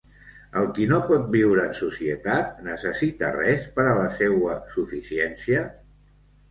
El qui no pot viure en societat, necessita res per a la seua suficiència?